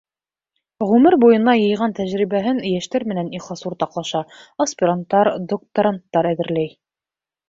Ғүмер буйына йыйған тәжрибәһен йәштәр менән ихлас уртаҡлаша, аспиранттар, докторанттар әҙерләй.